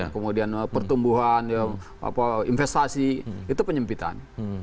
kemudian pertumbuhan investasi itu penyempitan